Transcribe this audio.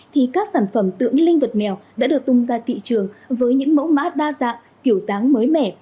thì các sản phẩm tượng linh vật mèo đã được tung ra thị trường với những mẫu mã đa dạng kiểu dáng mới mẻ